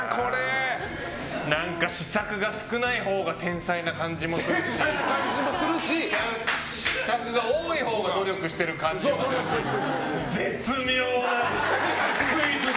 何か試作が少ないほうが天才な感じもするし試作が多いほうが努力している感じもするし絶妙なクイズだ！